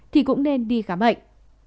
thì cũng nên đi khám bệnh